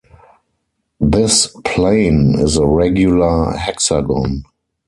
This plane is a regular hexagon.